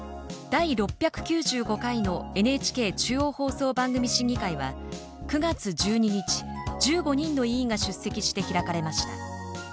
第６９５回のＮＨＫ中央放送番組審議会は９月１２日１５人の委員が出席して開かれました。